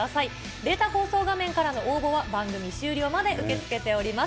データ放送画面からの応募は、番組終了まで受け付けております。